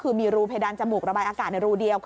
คือมีรูเพดานจมูกระบายอากาศในรูเดียว